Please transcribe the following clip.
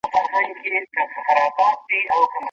په کارګرانو کي د مهارت کچه نه زياتيدله.